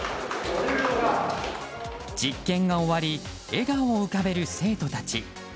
実験が終わり笑顔を浮かべる生徒たち。